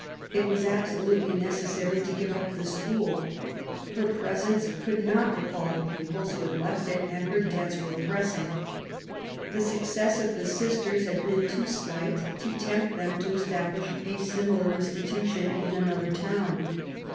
It was absolutely necessary to give up the school. Her presence could not recall the pupik who had left it^ and her debts were pressing. The success of the sisters had been too slight to tempt them to establish a similar institution in another town.